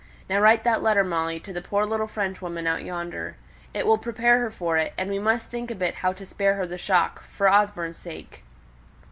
Now write that letter, Molly, to the poor little Frenchwoman out yonder. It will prepare her for it; and we must think a bit how to spare her the shock, for Osborne's sake."